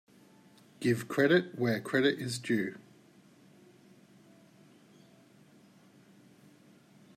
Give credit where credit is due.